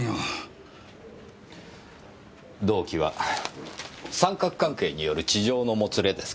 動機は三角関係による痴情のもつれですか。